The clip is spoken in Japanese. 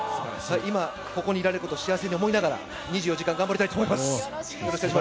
今、ここにいられることを幸せに思いながら、２４時間頑張りたいすばらしい。